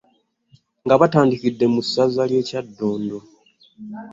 Nga batandikidde mu ssaza ly'e Kyaddondo.